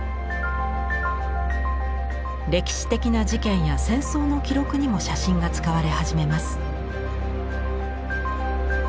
歴史的な事件や戦争の記録にも写真が使われ始めます。